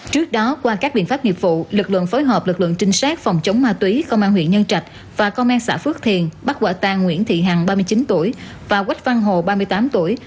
trước đó qua các biện pháp nghiệp vụ lực lượng phối hợp lực lượng trinh sát phòng chống ma túy công an huyện nhân trạch và công an xã phước thiền bắt quả tang nguyễn thị hằng ba mươi chín tuổi và quách văn hồ ba mươi tám tuổi